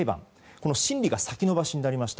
この審理が先延ばしになりました。